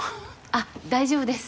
あっ大丈夫です。